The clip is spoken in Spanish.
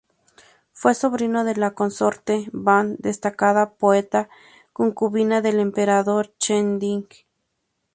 Fue sobrino de la consorte Ban, destacada poeta y concubina del Emperador Cheng Di.